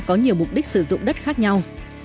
có mục đích sử dụng đất khác nhau